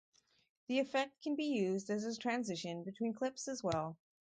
The effect can be used as a transition between clips as well.